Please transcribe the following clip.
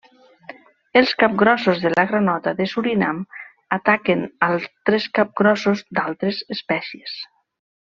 Els capgrossos de la granota de Surinam, ataquen altres capgrossos d'altres espècies.